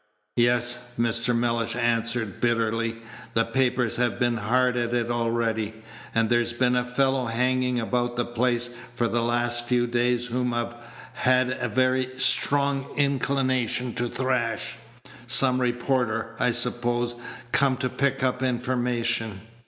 "Yes," Mr. Mellish answered bitterly, "the papers have been hard at it already; and there's been a fellow hanging about the place for the last few days whom I've had a very strong inclination to thrash. Some reporter, I suppose, come to pick up information."